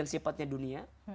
yang sifatnya dunia